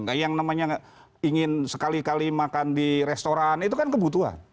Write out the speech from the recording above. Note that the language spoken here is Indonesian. nggak yang namanya ingin sekali kali makan di restoran itu kan kebutuhan